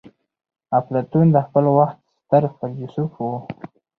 اپلاتون د خپل وخت ستر فيلسوف وو.